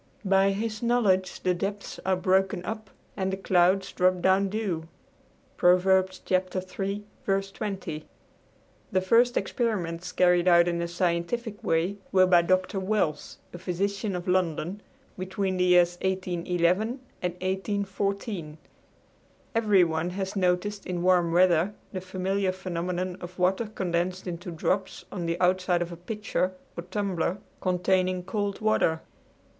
"By his knowledge the depths are broken up and the clouds drop down dew" (Prov. iii. 20). The first experiments carried on in a scientific way were by Dr. Wells, a physician of London, between the years 1811 and 1814. Everyone has noticed in warm weather the familiar phenomenon of water condensed into drops on the outside of a pitcher or tumbler containing cold water.